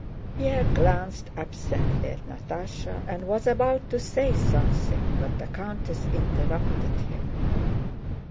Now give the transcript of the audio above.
Pierre glanced absently at Natásha and was about to say something, but the countess interrupted him.